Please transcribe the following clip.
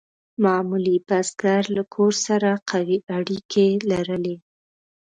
معمولي بزګر له کور سره قوي اړیکې لرلې.